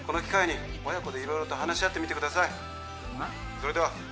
☎それでは。